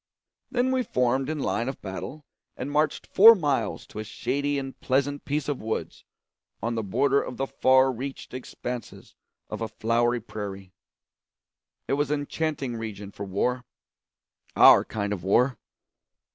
Then we formed in line of battle and marched four miles to a shady and pleasant piece of woods on the border of the far reached expanses of a flowery prairie. It was an enchanting region for war our kind of war.